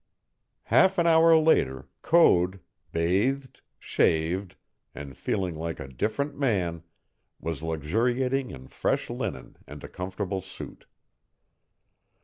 Half an hour later Code, bathed, shaved, and feeling like a different man, was luxuriating in fresh linen and a comfortable suit.